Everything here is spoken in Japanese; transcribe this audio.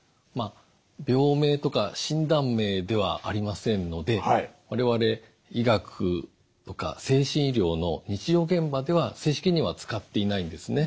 病名とか診断名ではありませんので我々医学とか精神医療の日常現場では正式には使っていないんですね。